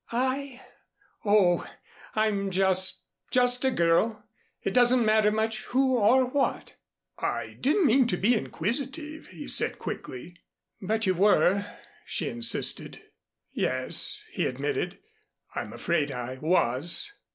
"I? Oh, I'm just just a girl. It doesn't matter much who or what." "I didn't mean to be inquisitive," he said quickly. "But you were " she insisted. "Yes," he admitted, "I'm afraid I was."